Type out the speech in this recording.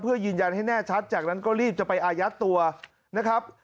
เพื่อยืนยันให้แน่ชัดจากนั้นก็รีบจะไปอายัดตัวนะครับ